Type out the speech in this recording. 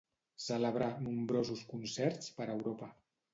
Celebrà nombrosos concerts per Europa.